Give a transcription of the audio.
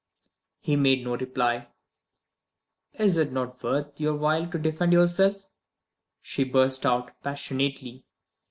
He made no reply. "Is it not worth your while to defend yourself?" she burst out, passionately.